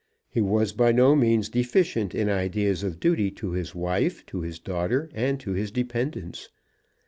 He was by no means deficient in ideas of duty to his wife, to his daughter, and to his dependents.